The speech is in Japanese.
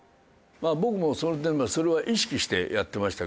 やっぱ僕もそれでそれは意識してやってましたけど。